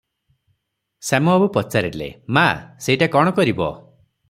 ଶ୍ୟାମବାବୁ ପଚାରିଲେ- ମା, ସେଟା କଣ କରିବ?"